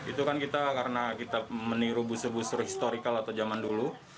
itu kan kita karena kita meniru busur busur historikal atau zaman dulu